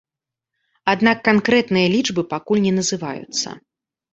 Аднак канкрэтныя лічбы пакуль не называюцца.